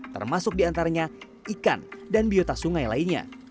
termasuk di antaranya ikan dan biota sungai lainnya